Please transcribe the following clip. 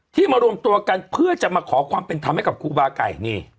มารวมตัวกันเพื่อจะมาขอความเป็นธรรมให้กับครูบาไก่นี่